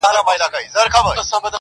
ټول مرغان دي په یوه خوله او سلا وي.!